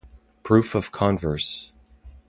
Proof of Converse.